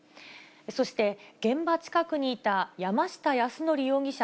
そして、現場近くにいた山下泰範容疑者